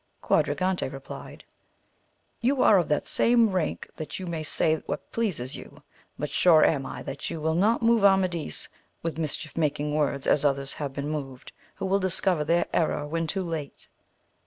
Quadragante replied, You are of that rank that you may say what pleases you, but sure am I that you will not move Amadis with mis chief making words as others have been moved, who will discover their error when too late.